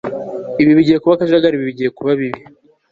Ibi bigiye kuba akajagari Ibi bigiye kuba bibi